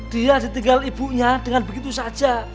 dia ditinggal ibunya dengan begitu saja